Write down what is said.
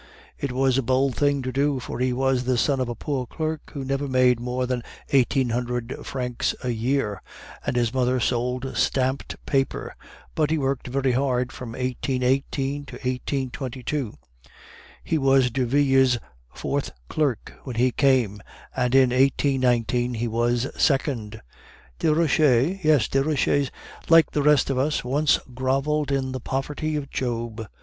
"It was a bold thing to do, for he was the son of a poor clerk who never made more than eighteen hundred francs a year, and his mother sold stamped paper. But he worked very hard from 1818 to 1822. He was Derville's fourth clerk when he came; and in 1819 he was second!" "Desroches?" "Yes. Desroches, like the rest of us, once groveled in the poverty of Job.